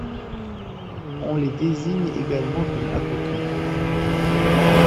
On les désignent également comme apocryphes.